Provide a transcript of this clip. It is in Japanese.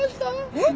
えっ？